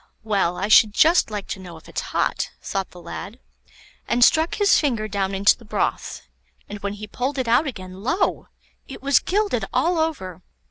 "Well, I should just like to know if it's hot," thought the lad, and struck his finger down into the broth, and when he pulled it out again, lo! it was gilded all over.